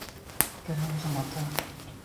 Te vamos a matar.